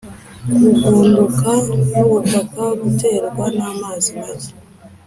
Kugunduka k’ubutaka guterwa namazi make